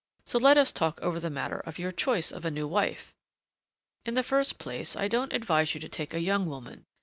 So let us talk over the matter of your choice of a new wife. In the first place, I don't advise you to take a young woman.